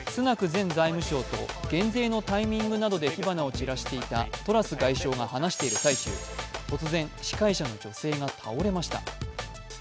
前財務相と減税のタイミングなどで火花を散らしていたトラス外相が話している最中、突然、司会者の女性が倒れました。